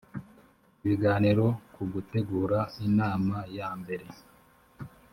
ibiganiro ku gutegura inama yambere